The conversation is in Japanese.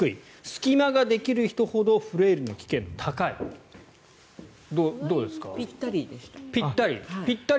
隙間ができる人ほどフレイルの危険が高いぴったりでした。